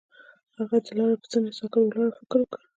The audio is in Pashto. هغه د لاره پر څنډه ساکت ولاړ او فکر وکړ.